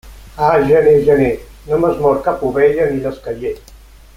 Ah, gener, gener, no m'has mort cap ovella ni l'esqueller.